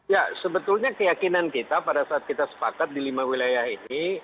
ya sebetulnya keyakinan kita pada saat kita sepakat di lima wilayah ini